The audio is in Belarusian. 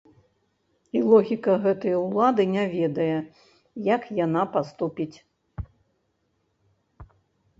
І логіка гэтай улады не ведае, як яна паступіць.